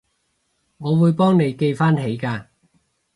我會幫你記返起㗎